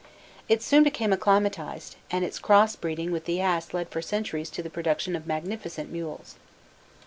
It soon became acclimatized, and its cross breeding with the ass led for centuries to the production of magnificent mules.